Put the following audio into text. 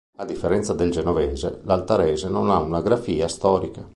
A differenza del genovese, l'altarese non ha una grafia storica.